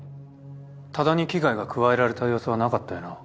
多田に危害が加えられた様子はなかったよな？